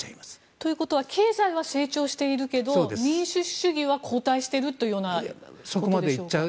ということは経済は成長しているが民主主義は後退しているということでしょうか。